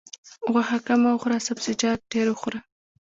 غوښه کمه وخوره او سبزیجات ډېر وخوره.